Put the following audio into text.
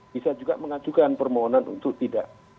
bisa juga mengajukan permohonan untuk tidak